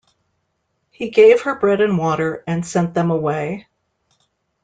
He gave her bread and water and sent them away.